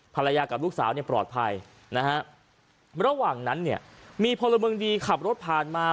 ภรรยากับลูกสาวเนี่ยปลอดภัยนะฮะระหว่างนั้นเนี่ยมีพลเมืองดีขับรถผ่านมา